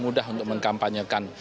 lebih mudah untuk mengkampanyekan